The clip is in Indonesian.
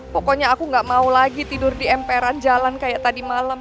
pokoknya aku gak mau lagi tidur di emperan jalan kayak tadi malam